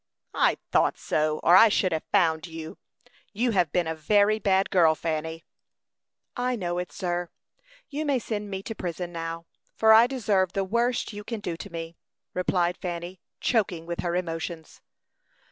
"I thought so; or I should have found you. You have been a very bad girl, Fanny." "I know it, sir. You may send me to prison now, for I deserve the worst you can do to me," replied Fanny, choking with her emotions.